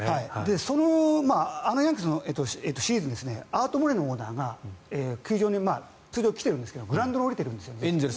あのヤンキースのシーズンをアート・モレノオーナーが球場に通常、来ているんですがグラウンドに降りているんです。